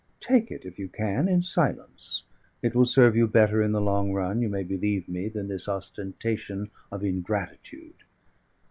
Take it, if you can, in silence; it will serve you better in the long run, you may believe me, than this ostentation of ingratitude."